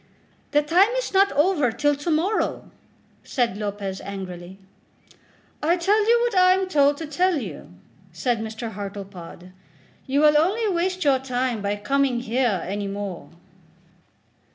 "The time is not over till to morrow," said Lopez angrily. "I tell you what I am told to tell you," said Mr. Hartlepod. "You will only waste your time by coming here any more."